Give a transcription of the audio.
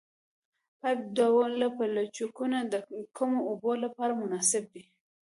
پایپ ډوله پلچکونه د کمو اوبو لپاره مناسب دي